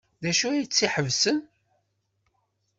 D acu ay tt-iḥebsen?